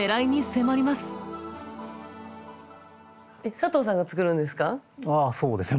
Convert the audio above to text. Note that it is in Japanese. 佐藤さんが作るんですか？